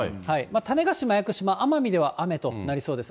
種子島、屋久島、奄美では雨となりそうです。